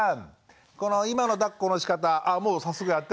この今のだっこのしかたあっ